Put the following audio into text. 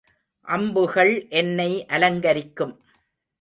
அம்புகள் என்னை அலங்கரிக்கும்.